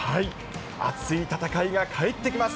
熱い戦いが帰ってきます。